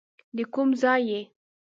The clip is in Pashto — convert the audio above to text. د کوم ځای یې.